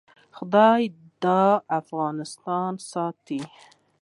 خدای دې افغانستان ساتي